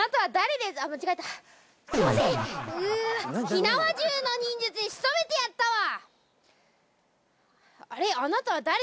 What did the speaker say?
火縄銃の忍術で仕留めてやったわ。